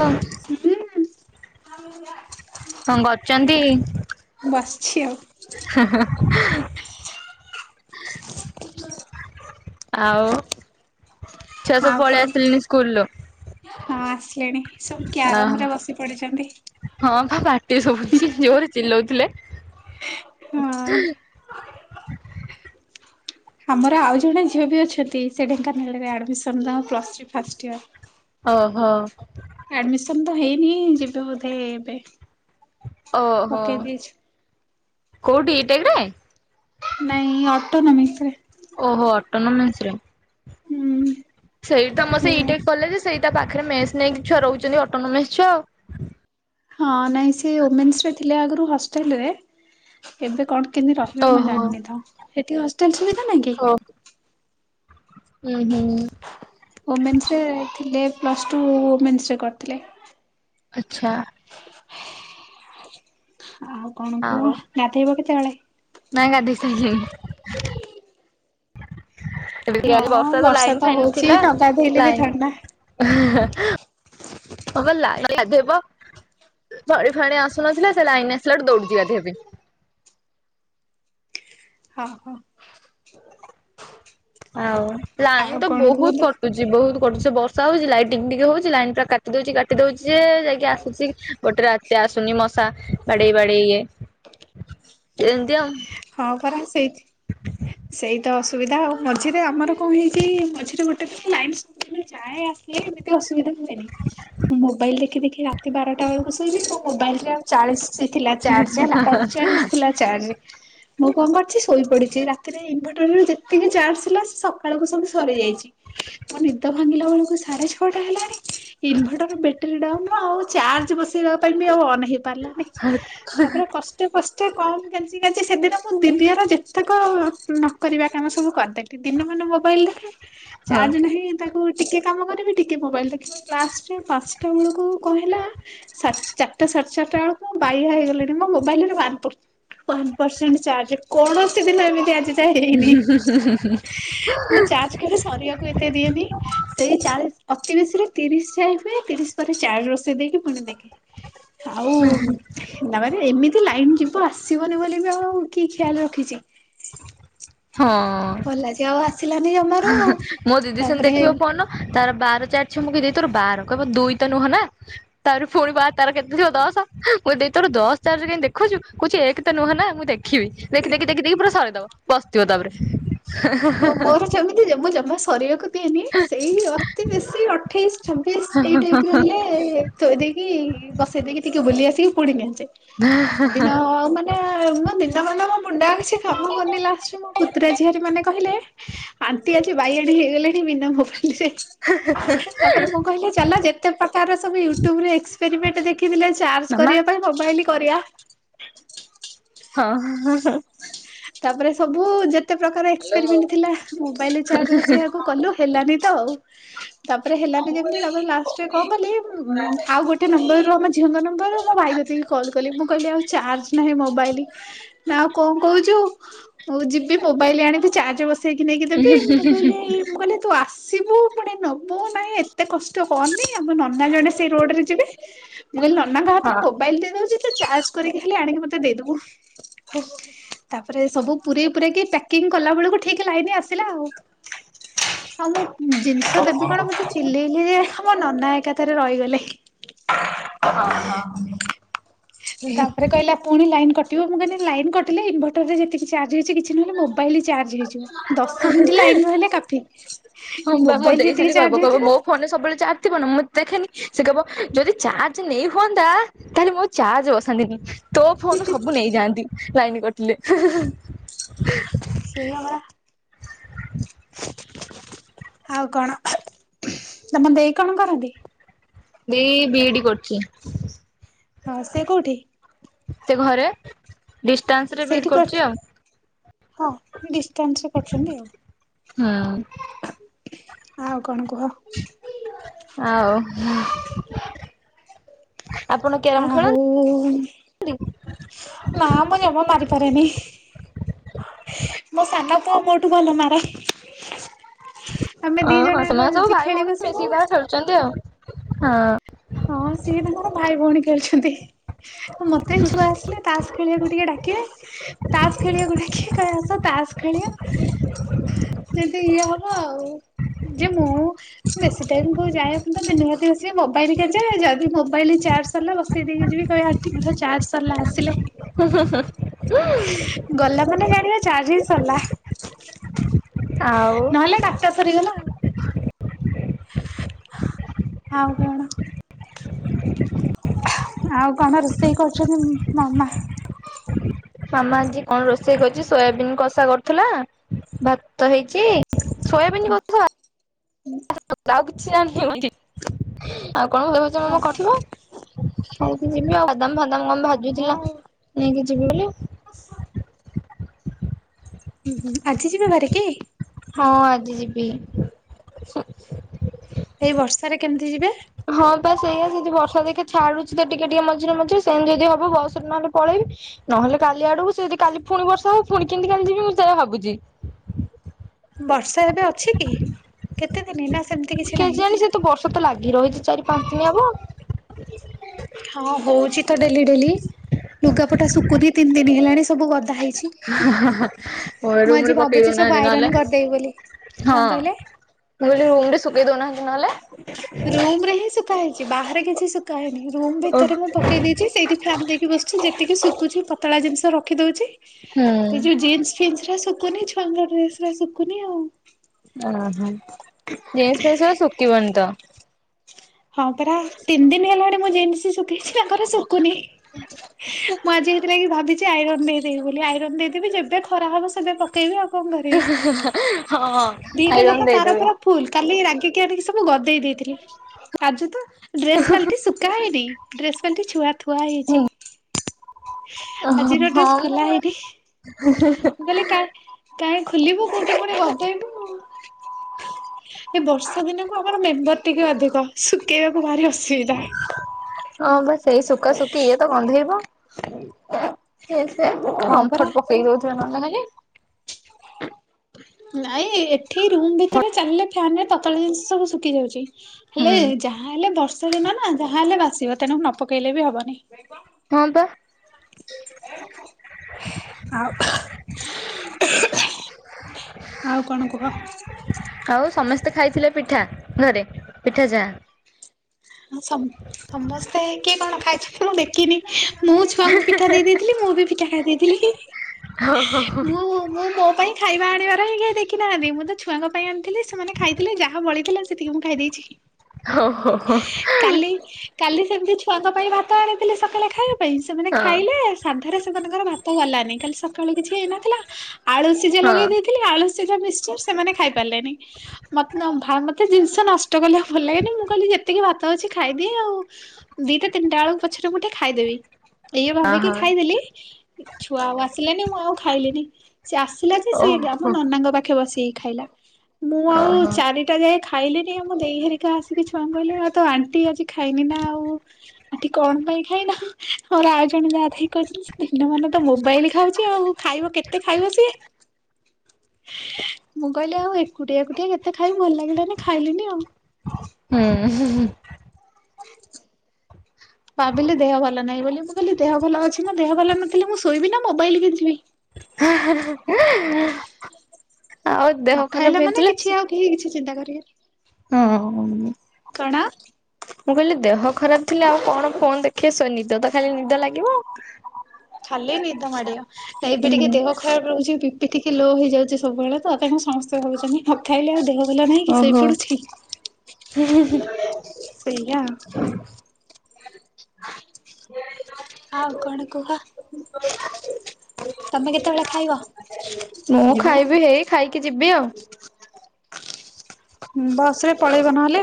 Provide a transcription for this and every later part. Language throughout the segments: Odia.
ହଁ ହୁଁ କଣ କରୁଛନ୍ତି? ବସିଛି ଆଉ। ହଁ, ହଁ, ହଁ। ଆଉ। ଛୁଆ ସବୁ ଆଉ ପଳେଇ କଣ ଆସିଲେଣି ସ୍କୁଲରୁ? ହଁ ଆସିଲେଣି। ସବୁ କ୍ୟାରମ ରେ ବସି ପଡ଼ିଛନ୍ତି। ହଁ ବା ପାଟି ଶଭୁଛି ଜୋରରେ ଚିଲଉଥିଲେ। ହଁ। ଆମର ଆଉ ଜଣେ ଝିଅ ବି ଅଛନ୍ତି ସେ ଢେଙ୍କାନାଳରେ ଆଡମିସନ ତାଙ୍କର ପ୍ଲସଥ୍ରୀ ଫାଷ୍ଟ ଇୟର। ଓହୋ। ଆଡମିସନ ତ ହେଇନି ଯିବେ ବୋଧେ ଏବେ। ଓହୋ ପକେଇ ଦେଇଛି। କୋଉଠି ଇ ଟେକ୍ ରେ? ନାଇଁ ଅଟୋନମିକ୍ସ ରେ। ଓହୋ ଅଟୋନୋମେନ୍ସରେ। ହୁଁ ସେଇଠି ତମର ସେ ଏ ଇଟେକ କଲେଜ ସେଇଟା ତା ପାଖରେ ମେସ ନେଇକି ଛୁଆ ରହୁଛନ୍ତି ଅଟୋନୋମେସ୍ ଛୁଅ ଆଉ। ହଁ ନାଇଁ ସେ ଓମେନ୍ସ ରେ ଥିଲେ ଆଗରୁ ହଷ୍ଟେଲ ରେ। ଏବେ କଣ କେମିତି ରହିବେ ମୁଁ ଓହୋ। ଜାଣିନି ତ ସେଠି ହଷ୍ଟେଲ ସୁବିଧା ନାହିଁ କି? ଓ ହୁଁ ହୁଁ। ଓମେନ୍ସରେ ଥିଲେ ପ୍ଲସ୍ ଟୁ ୱମେନ୍ସରେ କରିଥିଲେ। ଆଚ୍ଛା। ଆଉ କଣ କୁହ ଗାଧୋଇବ କେତେବେଳେ? ନାଇ ଗାଧେଇ ସାଇଲିନି। ଏମିତି କାଲି ହଁ ବର୍ଷା ତ ଲାଇନ୍ ଫାଇନ ହଉଛି ଥିଲା ନ ଗାଧେଇଲେ ବି ଲାଇନ ଥଣ୍ଡା। ହେଁ ହଁପା ଲାଇନିରେ ଗାଧୋଇବ। ଫଳି ଫାଣି ଆସୁନଥିଲା ସେ ଲାଇନି ଆସିଲାଠୁ ଦୌଡଛି ଗାଧେଇବା ପାଇଁ। ହଁ ହଁ। ଆଉ ଲାଇନ୍ ଆଉ ତ କଣ ବହୁତ କୁହନ୍ତୁ କଟୁଛି। ଜି ବହୁତ କଟୁଛି ବର୍ଷା ହଉଛି ଲାଇଟିଙ୍ଗ ଟିକେ ହଉଛି ଲାଇନ୍ ପୁରା କାଟି ଦଉଛି କାଟି ଦଉଛି ଯେ ଯାଇକି ଆସୁଛି ଗୋଟେ ରା ଏତେ ଆସୁନି ମଶା ବାଡେଇ ବାଡେଇ ଇଏ। [inaudible] ଏମିନ୍ତି ଆଉ। ହଁ ପରା ସେଇଥି ସେଇ ତ ଅସୁବିଧା ଆଉ ମଝିରେ ଆମର କଣ ହେଇଛି ମଝିରେ ଗୋଟେ କିଛି ଲାଇନ୍ ସବୁବେଳେ ଯାଏ ଆ ହେ ଏମିତି ଅସୁବିଧା ହୁଏନି ମୋବାଇଲ ଦେଖି ଦେଖି ରାତି ବାରଟା ବେଳକୁ ଶୋଇବି ତ ମୋ ବାଇଲିଟା ଚାଳିଶି ଥିଲା ଚାର୍ଜ ହେଲା ଅଠଚାଳିଶି ଥିଲା ଚାର୍ଜ। ମୁଁ କଣ କରିଛି ଶୋଇ ପଡିଛି ରାତିରେ ଇନଭେଟରରେ ଯେତିକି ଚାର୍ଜ ଥିଲା ସେ ସକାଳୁ ସବୁ ସରିଯାଇଛି। ମୋ ନିଦ ଭାଙ୍ଗିଲା ବେଳକୁ ସାଢେ ଛଅଟା ହେଲାଣି। ଇନଭଟର ବ୍ୟାଟେରୀ ଡାଉନ ଆଉ ଚାର୍ଜ ବସେଇବା ଲିବି ଆଉ ଅନ୍ ହେଇ ପାରିଲାନି ତାପରେ କଷ୍ଟେ କଷ୍ଟେ କମ୍ କେଞ୍ଚି କାଞ୍ଚି ସେଦିନ ମୁଁ ଦିଦି ଆର ଯେତେକ ନକରିବା କାମ ସବୁ କରିଦେଲି ଦିନ ମାନ ମୋବାଇଲ ଦେଖେ। ହଁ ଚାର୍ଜ ନାହିଁ ତାକୁ ଟିକେ କାମ କରିବି ଟିକେ ମୋବାଇଲ ଦେଖିବି ଲାଷ୍ଟରେ ପାଞ୍ଚଟା ବେଳକୁ କଣହେଲା ଚାରିଟା ସାଢେ ଚାରିଟା ବେଳକୁ ମୁ ବାୟା ହେଇଗଲିଣି ମୋ ମୋବାଇଲରେ ୱାନ୍ ପରସେଣ୍ଟ ଚାର୍ଜ ଚାର୍ଜ କୌଣସି ଦିନ ଏମିତି ଆଜି ଯାଏଁ ହେଇନି ମୁଁ ଚାର୍ଜ କେବେ ସରିବାକୁ ଏତେ ଦିଏନି। ସେଇ ଚାଳିଶି ଅତି ବେଶୀ ରେ ତିରିଶି ଯାଇ ହୁଏ ତିରିଶି ପରେ ଚାର୍ଜ ବସେଇ ଦେଇକି ପୁଣି ଦେଖେ। ଆଉ ତାପରେ ଏମିତି ଲାଇନି ଯିବ ଆସିବନି ବୋଲି ବି ଆଉ କିଏ ଖିଆଲ୍ ରଖିଛି। ହଁ। ଆଜି ଆଉ ଆସି ଆସିଲାନି ଜମା। ମୋ ଦିଦି ସେମିତି ଦେଖିବ ଫୋନ୍ ତାର ଚାରି ଛିଅ ମୁ କହିଲି ତୋର ବାର କହିବ ଦୁଇ ତ ନୁହଁ ନା। ତାର ପୁଣି ବା ତାର କେତେ ଥିବ ଦଶ ମୁଁ ଦେଇ ତୋର ଦଶ ଚାର୍ଜ ଅଛି କେମିତି ଦେଖୁଛୁ କହୁଛି ଏକ ତ ନୁହିଁ ନାଁ। ନୁହଁ ନା ମୁଁ ଦେଖିବି ଦେଖି ଦେଖି ଦେଖି ଦେଖି ପୁରା ସରେଇଦବ ବସିଥିବ ତାପରେ। ହଁ ମୋର ଯେମିତି ଯେ ମୁଁ ଜମା ସରିବାକୁ ହେଇନି ସେଇ ଅତି ବେଶୀ ଅଠେଇଶ ଛବିଶ ଏଇ ଟାଇପ ର ହେଲେ ଏ ଥୋଇ ଦେଇକି ବସେଇ ଦେଇକି ଟିକେ ବୁଲି ଆସିକି ପୁଣି କେଞ୍ଚେ ସେଦିନ ମାନେ ମୋ ଦିନ ମାନ ମୋ ମୁଣ୍ଡା କିଛି କାମ କରୁନି ଲାଷ୍ଟ ଙ୍କୁ ମୋ ପୁତୁରା ଝିଆରୀ ମାନେ କହିଲେ ଆଣ୍ଟି ଆଜି ବାଇଆଣି ହେଇଗଲେଣି ବିନା ମୋବାଇଲ ରେ ହେ ହେ ହେ ତାପରେ ମୁଁ କହିଲି ଚାଲ ଯେତେ ପ୍ରକାର ସବୁ ୟୁଟ୍ୟୁବରେ ଏକ୍ସପେରିମେଣ୍ଟ ଦେଖିଥିଲେ ଚାର୍ଜ ମାମା କରିବା ପାଇଁ ମୋବାଇଲ କରିବା। ହଁ ହ ହ ତାପରେ ସବୁ ଯେତେ ପ୍ରକାର ଏକ୍ସପେରିମେଣ୍ଟ ଥିଲା ମୋବାଇଲରେ ଚାର୍ଜ ବସେଇବାକୁ କଲୁ ହେଲାନି ତ ଆଉ। ତାପରେ ହେଲାନି ଯେମିତି ତାପରେ ଲାଷ୍ଟରେ କଣ କଲି ଆଉ ଗୋଟେ ନମ୍ବର ରୁ ଆମ ଝିଅଙ୍କ ନମ୍ବର ମୋ ଭାଇ କତିକି କି କଲ କଲି ମୁଁ କହିଲି ଆଉ ଚାର୍ଜ ନାହିଁ ମୋବାଇଲ ନା ଆଉ କଣ କହୁଚୁ ହଉ ଯିବି ମୋବାଇଲ ଆଣିବି ଚାର୍ଜ ବସେଇକି ନେଇକି ଦେବି ମୁଁ କହିଲି ମୁଁ କହିଲି ତୁ ଆସିବୁ ପୁଣି ନବୁ ନାଇଁ ଏତେ କଷ୍ଟ କରନି ଆମ ନନା ଜଣେ ସେଇ ରୋଡରେ ଯିବେ ମୁଁ କହିଲି ନନାଙ୍କ ହାତରେ ମୋବାଇଲ ଦେଇ ଦଉଛି ତୁ ଚାର୍ଜ କରିକି ଆଣିକି ଖାଲି ମତେ ଦେଇଦବୁ। ଓହୋ ତାପରେ ସବୁ ପୁରେଇ ପୁରାକି ପ୍ୟାକିଂ କଲା ବେଳକୁ ଠିକ ଲାଇନ ଆସିଲା ଆଉ। ଆଉ ମୁଁ ଜିନିଷ ଦେବି କଣ ମତେ ଚିଲେଇଲି ଯେ ଆମ ନନା ଏକାଥରେ ରହିଗଲେ। ତାପରେ କହିଲା ପୁଣି ଲାଇନ କଟିବ ମୁଁ କହିଲି ଲାଇନ୍ କଟିଲେ ଇନ୍ ଭେଟର ରେ ଯେତିକି ଚାର୍ଜ ହେଇଛି କିଛି ନହେଲେ ମୋବାଇଲ ଚାର୍ଜ ହେଇଯିବ ଦଶ ମିନିଟ ଲାଇନ ରହିିଲେ କାଫି। ହଁ ବା ମୁଁ ମୋବାଇଲ ଦେଇ ଯେତିକି ସେମିତି ଚାର୍ଜ କହିବ କହିବ ହେଇଥିବ ମୋ ଫୋନ୍ ରେ ସବୁବେଳେ ଚାର୍ଜଥିବ ନା ମୁଁ ଦେଖେନି ସେ କବ ଯଦି ଚାର୍ଜ ନେଇ ହୁଅନ୍ତା ତାହେଲେ ମୁଁ ଆଉ ଚାର୍ଜ ବସାନ୍ତିନି। ତୋ ଫୋନ ରୁ ସବୁ ନେଇଯାଆନ୍ତି ଲାଇନ କଟିଲେ ହେ ହେ ଏଆ ପରା ଆଉ କଣ ତମ ଦେଇ କଣ କରନ୍ତି? ଏ ବିଇଡି କରୁଛି। ହଁ ସେ କୋଉଠି? ସେ ଘରେ। ଡିଷ୍ଟାନ୍ସ ରେ ବିଇଡି ସେଇଠି କରୁଛି କରିଚି ଆଉ। ହଁ ଡିଷ୍ଟାନ୍ସ ରେ କରୁଛନ୍ତି ଆଉ। ହଁ ଆଉ କଣ କୁହ? ଆଉ ଆପଣ କ୍ୟାରମ ଆଉ ଖେଳନ୍ତି? ନା [inaudible] ମୁଁ ଜମା ମାରିପାରେନି। ମୋ ସାନ ପୁଅ ମୋ ଠୁ ଭଲ ମାର ଓହଁ ସେମାନେ ସବୁ ଭାଇ ଭଉଣୀ ମିଶିକି ତାଙ୍କର ଖେଳୁଛନ୍ତି ଆଉ ହଁ ହଁ ସିଏ ତାଙ୍କର ଭାଇ ଭଉଣୀ ଖେଳୁଛନ୍ତି। ମତେ ଛୁଆ ଆସିଲେ ତାସ ଖେଳିବାକୁ ଟିକେ ଡାକିବେ ତାସ ଖେଳିବାକୁ ଡାକିବେ କହିବେ ଆସ ତାସ ଖେଳିବା। [inaudible] ଯଦି ଇଏ ହବ ଆଉ ଯେ ମୁଁ ବେଶୀ ଟାଇମ କୋଉ ଯାଏ ମୁଁ ତ ଦିନ ରାତି ବସିକି ମୋବା ଇଲି କେଁଚେ ଯଦି ମୋବାଇଲ ଚାର୍ଜ ସରିଲା ବସେଇ ଦେଇକି ଯିବି କହିବେ ଆଣ୍ଟିଙ୍କର ଚାର୍ଜ ସରିଲା ଆସିଲେ। ହୁଁ ହୁଁ ହୁଁ ଉଁ ଗଲା ମାନେ ଜାଣିବେ ଚାର୍ଜ ହିଁ ସରିଲା। ଆଉ ନହେଲେ ଡାଟା ସରିଗଲା ଆଉ। ଆଉ କଣ? ଆଉ କଣ ରୋଷେଇ କରୁଛନ୍ତି ମାମା? ମାମା ଆଜି କଣ ରୋଷେଇ କରୁଛି ସୋୟାବନ୍ କଷା କରୁଥିଲା ଭାତ ହେଇଚି ସୋୟାବିନି କଥା ଆଉ କିଛି ଜାଣ ଆଉ କଣ ହଁ [unintelligible] ହଁ। ଖାଇକି ଯିବି ଆଉ ବାଦାମ ଫାଦାମ କଣ ହଁ ଭାଜୁଥିଲା, ଆଉ ନେଇକି ଯିବି ବୋଲି। ଉଁଁ ହୁଁ ଆଜି ଯିବେ ବାହାରିକି? ହଁ ଆଜି ଯିବି। ଏଇ ବର୍ଷାରେ କେମିତି ଯିବେ? ହଁ ବା ସେଇଆ ଯଦି ବର୍ଷା ଦେଖି ଛାଡୁଛି ତ ଟିକେ ଟିକେ ମଝିରେ ମଝିରେ ସେମିତି ଯଦି ହବ ବସ୍ ରେ ନହେଲେ ପଳେଇବି। ନହେଲେ କାଲି ଆଡକୁ ସେ ଯଦି କାଲି ପୁଣି ବର୍ଷା ହଉ ପୁଣି କେମିତି କାଲି ଯିବି ମୁଁ ସେ ଭାବୁଛି। ବର୍ଷା ଏବେ ଅଛି କି? କେତେ ଦିନ ନା ସେମିତି କିଛି ନାହିଁ? କେଜାଣି ସେ ତ ବର୍ଷା ତ ଲାଗି ରହିଛି ଚାରି ପାଞ୍ଚ ଦିନି ହବ। ହଁ ହଉଛି ତ ଡେଲି ଡେଲି ଲୁଗାପଟା ଶୁକୁନି ତିନି ଦିନ ହେଲାଣି ସବୁ ଗଦା ହେଇଛି କିଛି, ହଁ ମୁଁ ରୁମ ରେ ଆଜି ପକେଇ ଭାବୁଛି ଦଉନାହାନ୍ତି ସବୁ ନହେଲେ। ଆଇରନ୍ କରିଦେବି ବୋଲି। କଣ କହିଲେ? ନହେଲେ ରୁମ୍ ରେ ଶୁଖେଇ ଦଉନାହାନ୍ତି ନହେଲେ? ରୁମ ରେ ହିଁ ଶୁଖା ହେଇଛି ବାହାରେ କିଛି ଶୁଖା ହେଇନି ରୁମ ହୁଁ ଭିତରେ ମୁଁ ପକେଇ ଦେଇଛି ସେଇଠି ଫ୍ଯାନ୍ ଦେଇକି ଏଠି ବସିଚି ଯେତିକି ଶୁଖୁଛି ପତଳା ଜିନିଷ ରଖି ଦଉଛି ଏ ଯୋଉ ଜିନ୍ସ ଫିସ ଶୁଖୁନି ସାଙ୍ଗ ଡ୍ରେସ୍ ରା ଶୁଖୁନି ଆଉ। ଓହୋ ଜିନ୍ସ ପ୍ୟାଣ୍ଟ ଗୁଡା ଶୁଖିବନି ତ। ହଁ ପରା ତିନି ଦିନ ହେଲାଣି, ମୁଁ ଜିନ୍ସ ଶୁଖେଇଛି ତାଙ୍କର ଶୁଖୁନି। ମୁଁ ଆଜି ହେଇଥି ଲାଗି ଭାବିଛି ଆଇରନ୍ ଦେଇଦେବି ବୋଲି। ଆଇରନ ଦେଇଦେବି ଯେବେ ଖରା ହବ ଏବେ ପକେଇବି ଆଉ କଣ ହଁ କରିବି। ଦିଟା ଆଇରନ୍ ଯାକ ତାର ଦେଇଦେବି। ପୁରା ଫୁଲ୍, କାଲି ରାଗିକି ଆଣିକି ସବୁ ଗଦେଇ ଦେଇଥିଲି। ଆଜି ତ ଡ୍ରେସ୍ ବାଲିଟି ଶୁଖା ହେଇନି, ଡ୍ରେସ୍ ବାଲିଟି ଛୁଆ ଥୁଆ ହେଇଛି। ଓହୋ ଆଜିର ଡ୍ରେସ୍ ହଁ ମ ଖୋଲା ହେଇନି। ମୁଁ କହିଲି କା କାହିଁ ଖୋଲିବୁ କୋଉଠୁ ପୁଣି ଗଦେଇବୁ। ଏ ବର୍ଷା ଦିନକୁ ଆମର ମେମ୍ବର ଟିକେ ଅଧିକ, ଶୁଖେଇବାକୁ ଭାରି ଅସୁବିଧା। ହଁ ବା ସେଇ ଶୁଖା ଶୁଖି ଇଏ ତ ଗନ୍ଧେଇବ ସେ ସେ ହଁ ପରା କମ୍ଫର୍ଟ ପକେଇ ଧଉଥିବେ ନହେଲେ ନାଇଁ ଏଠି ରୁମ୍ ଭିତରେ ଚାଲିଲେ ଫ୍ୟାନରେ ତଳ ଜିନିଷ ସବୁ ଶୁଖିଯାଉଛି। ହେଲେ ହୁଁ ଯା ଯାହା ହେଲେ ବର୍ଷା ଦିନ ନା ଯାହା ହେଲେ ବାସିବ ତେଣୁ ନ ପକେଇଲେ ବି ହବନି। ହଁ ପା। ଆଉ ଆଉ କଣ କୁହ? ଆଉ ସମସ୍ତେ ଖାଇଥିଲେ ପିଠା ଘରେ, ପିଠା ଚାହାଁ ହଁ ସମ-ସମସ୍ତେ ହେଇକି କିଏ କଣ ଖାଇଛନ୍ତି ମୁଁ ଦେଖିନି। ମୁଁ ଛୁଆଙ୍କୁ ପିଠା ଦେଇଦେଇ ଥିଲି। ମୁଁ ବି ପିଠା ଖାଇ ଦେଇଥିଲି। ମୁଁ-ମୁଁ ମୋ ପାଇଁ ଖାଇବା ଆଣିବାର ହିଁ କେହି ଦେଖିନାହାନ୍ତି। ମୁଁ ତ ଛୁଆଙ୍କ ପାଇଁ ଆଣିଥିଲି ସେମାନେ ଖାଇଥିଲେ ଯାହା ବଳିଥିଲା ସେତିକି ମୁଁ ଖାଇ ଦେଇେଛି। ହ, ହୋ, ହୋ। କାଲି କାଲି ସେମିତି ଛୁଆଙ୍କ ପାଇଁ ଭାତ ଆଣିଥିଲେ ସକାଳେ ଖାଇବା ପାଇଁ ସେମାନେ ହଁ ଖାଇଲେ ସାଧାରେ ସେମାନଙ୍କର ଭାତ ଗଲାନି କାଲି ସକାଳୁ କିଛି ହେଇନଥିଲା ଆଳୁ ସିଝା ହଁ ଲଗେଇ ଦେଇଥିଲି ଖାଲି ଆଳୁସିଝା, ମିଶଚର୍ ସେମାନେ ଖାଇ ପାରିଲେନି। ମତେ ଜିନିଷ ନଷ୍ଟ କଲେ ଭଲ ଲାଗେନି ମୁଁ କହିଲି ଯେତିକି ଭାତ ଅଛି ଖାଇଦିଏ ଆଉ ଦିଟା ତିନିଟା ବେଳକୁ ପଛରେ ମୁଠେ ଖାଇଦେବି। ଇଏ ଅ ହ ଭାବିକି ଖାଇଦେଲି। ଛୁଆ ଆଉ ଆସିଲେନି ମୁଁ ଆଉ ଖାଇଲିନି। ସେ ଆସିଲା ଯେ ସିଏ ଓହୋ ଆମ ନନାଙ୍କ ପାଖେ ବସିକି ଖାଇଲା। ମୁଁ ଆଉ ଓହୋ। ଚାରିଟା ଯାଏ ଖାଇଲିନି ଆମ ଦେଇ ହେରିକା ଆସ ଛୁଆଙ୍କୁ କହିଲେ ଆଉ ତ ଆଣ୍ଟି ଆଜି ଖାଇନି ନା ଆଉ ଆଣ୍ଟି କଣ ପାଇଁ ଖାଇନ? ଆମର ଆଉ ଜଣେ ଯାହା ଥାଇ କହିଛନ୍ତି ସେ ଦିନ ମ ତ ମୋବାଇଲି ଖାଉଚି ଆଉ ଖାଇବ କେତେ ଖାଇବ ସିଏ? ମୁଁ କହିଲି ଆଉ ଏକୁଟିଆ ଏକୁଟିଆ କେତେ ଖାଇମୁ ଭଲ ଲାଗିଲାନି ଖାଇଲିନି ଆଉ। ହୁଁ ହୁ ହୁ। ଭାବିଲେ ଦେହ ଭଲ ନାହିଁ ବୋଲି ମୁଁ କଇଲି ଦେହ ଭଲ ଅଛି ନା ଦେହ ଭଲ ନଥିଲା ମୁଁ ଶୋଇବି ନା ମୋବାଇଲ କେଞ୍ଚିବି। ହା-ହା-ହା ଇ। ଦେହ ନ ଖରାପ ଖାଇଲା ମାନେ ହେଇଥିଲା କିଛି ସେ ଆଉ କେହି କିଛି ଚିନ୍ତା କରିବେନି। ହଁ। ମୁଁ କଣ? କହିଲି ଦେହ ଖରାପ ଥିଲେ ଆଉ କଣ ଫୋନ୍ ଦେଖି ଆସିବ ନିଦ ତ ଖାଲି ନିଦ ଲାଗିବ। ଖାଲି ନିଦା ମାଡିବ ଏବେ ଟିକେ ହୁଁ ଦେହ ଖରାପ୍ ରହୁଚି ବିପିି ଟିକେ ଲୋ ହେଇଯାଉଛି ସବୁବେଳେ ତ ତାଙ୍କୁ ସମସ୍ତେ ହୋଉଚନ୍ତି ନ ଖାଇଲେ ଆଉ ଦେହ ଭଲ ନାହିଁ କି ଶୋଇ ଓହୋ। ପଡୁଛି। ସେଇଆ ଆଉ। ଆଉ କଣ କୁହ। ତମେ କେତେବେଳେ ଖାଇବ? ମୁଁ ଖାଇବି ହେଇ ଖାଇକି ଯିବି ଆଉ। ହୁଁ ବସ୍ ରେ ପଳେଇବ ନହେଲେ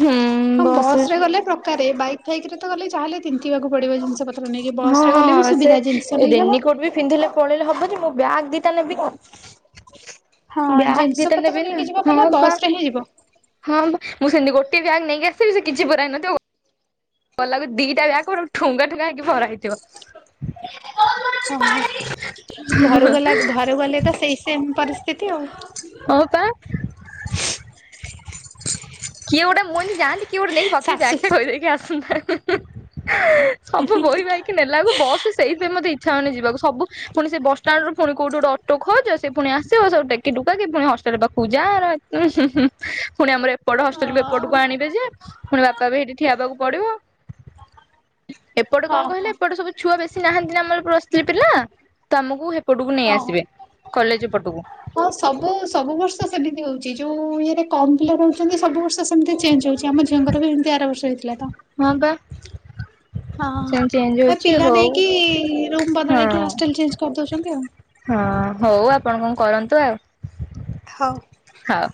ହୁଁ ହଁ ବସରେ ବସ୍ ରେ ଗଲେ ପ୍ର ପାରେ ବାଇକ୍ ଫାଇକ୍ ରେ ତ ଗଲେ ଯାହେଲେ ତିନ୍ତିବାକୁ ପଡିବ ଜିନ୍ଷ ପତ୍ର ନେଇକି ହଁ ବସରେ ଗଲେ ବି ହଁ ସେ ସୁବିଧା ଜିନ୍ଷ ନେଇ ହବ। ରେନିକୋଟ ବି ପିନ୍ଧିଲି ପଳେଇଲେ ହବ ଯେ ମୁଁ ବ୍ୟାଗ ଦିଟା ନେବି। ହଁ ବ୍ୟାଗ୍ ଜିନିଷ ଦିଟା ପତ୍ର ନେବିନା ନେଇକି ଯିବ ମାନେ ହଁ ପା। ବସ ରେ ହିଁ ଯିବ। ହଁ ମୁଁ ସେଁତି ଗୋଟେ ବ୍ୟାଗ୍ ନେଇକି ଆସ୍ ଥିବି ସେ କିଛି ପୁରାହେଇନଥିବ ଗ ଲାଗକୁ ଦିଟା ବ୍ୟାଗ୍ କ ଠୁଙ୍ଗାଠୁଙ୍ଗା ହେଇକି ଭରା ହେଇଥିବ। ଅ ହଁ। ଘରୁ ଗଲା ଘରୁ ଗଲେ ତ ସେଇ ସେମ୍ ପରିସ୍ତିତି ଆଉ। ହଁ ପା କିଏ ଗୋଟେ ମୁଁ ଏନ୍ତି ଯାଆନ୍ତି କିଏ ଗୋଟେ ନେଇକି ପଛରେ ଶାଶୁ ବ୍ୟାଗ୍ ଟା ଥୋଇଦେଇକି ଆସନ୍ତା। ସବୁ ବୋହି ବାହିକି ନେଲାକୁ ବସ୍ଏ ସେଇଥି ପାଇଁ ମତେ ଇଚ୍ଛା ହୋଉନି ଯିବାକୁ ସବୁ ପୁଣି ସେ ବଷ୍ଟାଣ୍ଡ୍ ରୁ ଫୁଣି କୋଉଠି ଗୋଟେ ଅଟୋ ଖୋଜ ସେ ପୁଣି ଆସିବ ସବୁ ଟେକି ଟୁକାକି ପୁଣି ହଷ୍ଟେଲ୍ ପାଖକୁ ଯା ଉଁ ହୁ-ହୁ-ହୁ ଫୁଣି ଆମର ପଟ ହଷ୍ଟେଲ୍ କୁ ଏପଟୁକୁ ହଁ ଆଣିବେ ଯେ ଫୁଣି ବାପା ବି ହେଠି ଠିଆ ହେବାକୁ ପଡିବ। ଏପଟେ କଁ ହଁ କହିଲେ ହଁ ଏପଟେ ସବୁ ଛୁଆ ବେଶୀ ନାହାନ୍ତି ନା ଆମର ପ୍ଲସ୍ ଥ୍ରୀ ପିଲା ତ ଆମକୁ ହେପଟୁକୁ ନେଇ ହଁ। ଆସିବେ କଲେଜ ଏପଟୁକୁ। ହଁ ସବୁ ସବୁ ବର୍ଷ ସେମିତି ହୋଉଛି ଯୋଉ ଇଏରେ କମ୍ ପିଲା ରହୁଚନ୍ତି ସବୁ ବର୍ଷ ସେମ୍ତି ଚେଞ୍ଜ ହୋଉ ଆମ ଝିଅଙ୍କର ବି ଏମ୍ତି ଆର ବର୍ଷ ହେଇଥିଲା ତ ହଁ ବା ହଁ। ସେମିତି ଚେଞ୍ଜ ହେ ହଉଛି ପିଲା ହଉ ନେଇକି ରୁମ୍ ବଦଳେଇକି ହଁ ହଷ୍ଟେଲ୍ ଚେଞ୍ଜ୍ କରିଦୋଉଚନ୍ତି ଆଉ। ହଁ ହୋଉ ଆପଣ କଁ କରନ୍ତୁ ଆଉ। ଥାଉ। ହଉ।